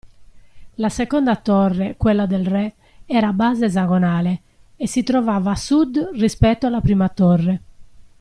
La seconda torre, quella del re, era a base esagonale, e si trovava a sud rispetto alla prima torre.